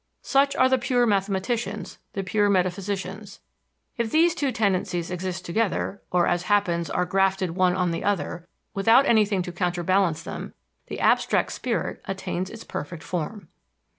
Such are the pure mathematicians, the pure metaphysicians. If these two tendencies exist together, or, as happens, are grafted one on the other, without anything to counterbalance them, the abstract spirit attains its perfect form.